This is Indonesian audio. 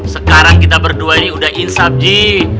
sekarang kita berdua ini udah insap ji